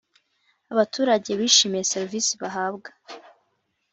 abaturage bishimiye serivisi bahabwa